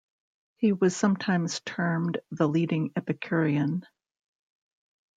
He was sometimes termed the leading Epicurean.